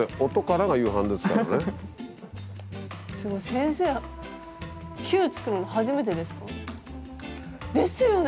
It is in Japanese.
先生球作るの初めてですか？ですよね！